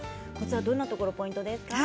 どんなところがポイントですか。